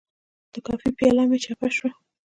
د کافي پیاله مې چپه شوه.